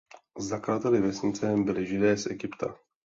Zakladateli vesnice byli Židé z Egypta.